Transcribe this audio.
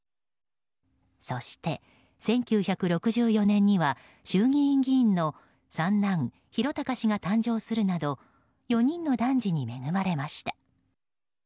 そして、１９６４年には衆議院議員の三男・宏高氏が誕生するなど４人の男児に恵まれました。